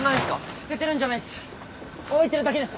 捨ててるんじゃないっす置いてるだけです。